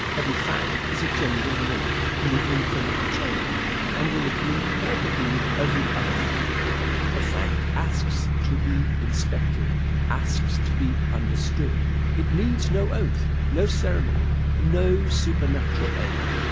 Every fact is a genuine link in the infinite chain, and will agree perfectly with every other fact. A fact asks to be inspected, asks to be understood. It needs no oath, no ceremony, no supernatural aid.